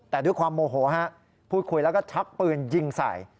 แต่ด้วยความโมโหฮะพูดคุยแล้วก็ชักปืนยิงใส่